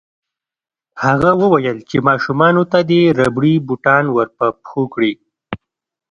هغه وویل چې ماشومانو ته دې ربړي بوټان ورپه پښو کړي